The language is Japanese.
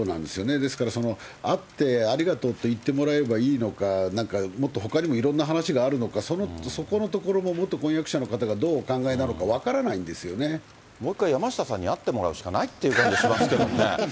ですから、会ってありがとうと言ってもらえればいいのか、なんかもっとほかにもいろんな話があるのか、そこのところも元婚約者の方がどうお考えなのか、分からないんでもう１回、山下さんに会ってもらうしかないっていう感じがしますけどね。